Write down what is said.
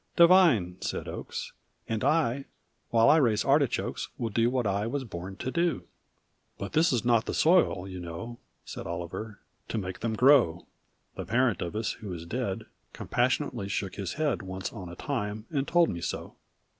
— "Divine!" said Oakes, "And I, while I raise artichokes. Will do what I was bom to do." 1116] "But this is not the soil, you know," Said Oliver, "to make them grow: The parent of us, who is dead, Compassionately shook his head Once on a time and told me so."